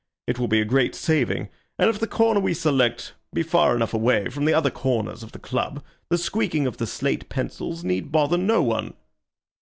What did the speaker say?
It will be a great saving, and if the corner we select be far enough away from the other corners of the club, the squeaking of the slate pencils need bother no one."